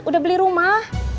udah beli rumah